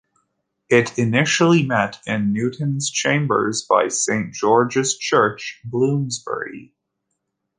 It initially met in Newton's chambers by Saint George's Church, Bloomsbury.